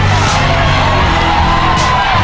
เพื่อชิงทุนต่อชีวิตสุด๑ล้านบาท